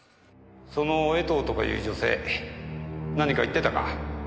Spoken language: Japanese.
その江藤とかいう女性何か言ってたか？